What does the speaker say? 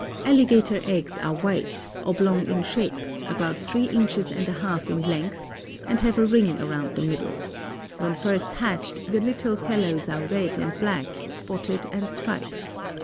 Alligator eggs are white, oblong in shape, about three inches and a half in length, and have a ring around the middle. When first hatched the little fellows are red and black spotted and striped.